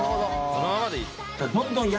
そのままでいい。